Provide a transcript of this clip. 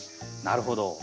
なるほど。